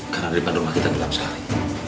karena daripada rumah kita gelap sekali